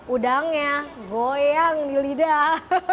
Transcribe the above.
udangnya goyang di lidah